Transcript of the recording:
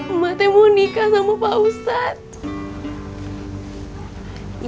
emak teh mau nikah sama pak ustadz